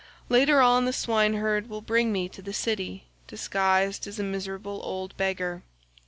Later on the swineherd will bring me to the city disguised as a miserable old beggar.